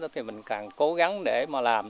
thì mình càng cố gắng để mà làm